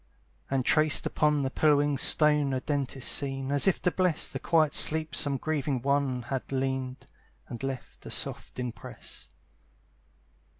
And traced upon the pillowing stone A dent is seen, as if to bless The quiet sleep some grieving one Had leaned, and left a soft impress.